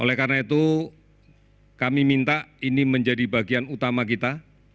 oleh karena itu kami minta ini menjadi bagian utama kita